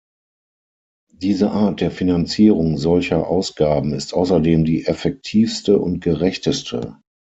Diese Art der Finanzierung solcher Ausgaben ist außerdem die effektivste und gerechteste.